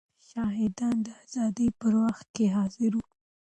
شاهدان د ازادۍ په وخت کې حاضر وو.